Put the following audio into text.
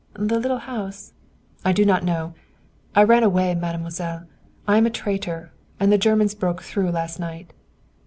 "The little house " "I do not know. I ran away, mademoiselle. I am a traitor. And the Germans broke through last night."